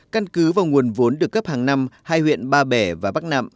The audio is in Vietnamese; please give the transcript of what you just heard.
căn cứ vào nguồn vốn được cấp hàng năm hai huyện ba bể và bắc nạm